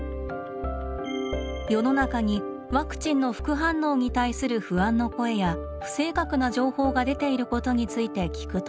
世の中にワクチンの副反応に対する不安の声や不正確な情報が出ていることについて聞くと。